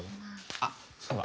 あっそうだ。